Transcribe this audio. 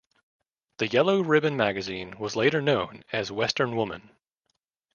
The Yellow Ribbon magazine was later known as "Western Woman".